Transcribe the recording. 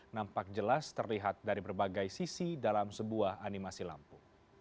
nampak jelas terlihat dari berbagai sisi dalam sebuah animasi lampu